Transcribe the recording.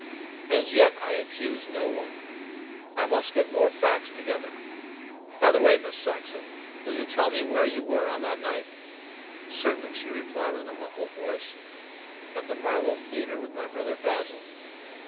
"As yet I accuse no one. I must get more facts together. By the way, Miss Saxon, will you tell the where you were on that night?" "Certainly," she replied in a muffled voice, "at the Marlow Theatre with my brother Basil."